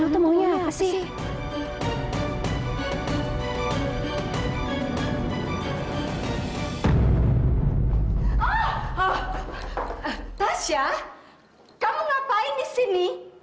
kamu ngapain disini